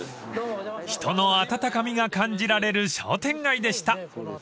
［人の温かみが感じられる商店街でした］